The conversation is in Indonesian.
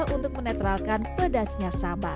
untuk menetralkan pedasnya sambal